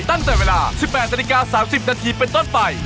ตั้งแต่เวลา๑๘๓๐นเป็นตอนไป